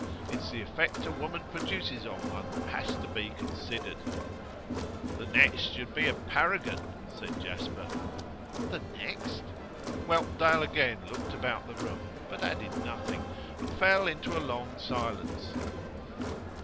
It's the effect a woman produces on one that has to be considered.' 'The next should be a paragon,' said Jasper. 'The next?' Whelpdale again looked about the room, but added nothing, and fell into a long silence.